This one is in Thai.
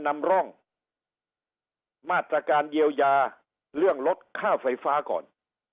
นำร่องมาตรการเยียวยาเรื่องลดค่าไฟฟ้าก่อน